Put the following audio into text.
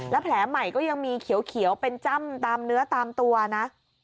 และแผลใหม่ก็ยังมีเขียวเป็นจ้ำตามเนื้อตามตัวนะ